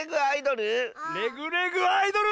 「レグ・レグ・アイドル」？